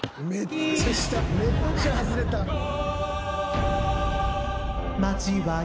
めっちゃ外れた。え！？